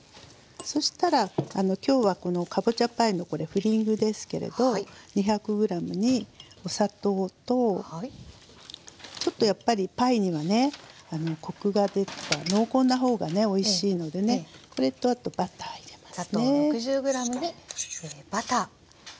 そしたら今日はこのかぼちゃパイのこれフィリングですけれど２００ｇにお砂糖とちょっとやっぱりパイにはねコクが出た濃厚な方がねおいしいのでねこれとあとバター入れますね。